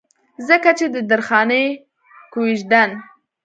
ځکه چې د درخانۍ کويژدن